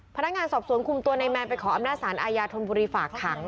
พนักงานสอบสวนคุมตัวในแมนไปขออำนาจสารอาญาธนบุรีฝากขัง